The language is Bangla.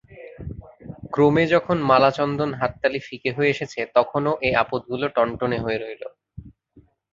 ক্রমে যখন মালাচন্দন হাততালি ফিকে হয়ে এসেছে তখনো এ আপদগুলো টনটনে হয়ে রইল।